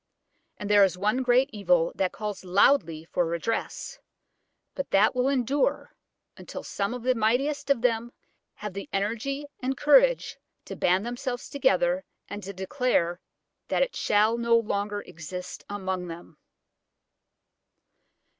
And there is one great evil that calls loudly for redress, but that will endure until some of the mightiest of them have the energy and courage to band themselves together and to declare that it shall no longer exist among them.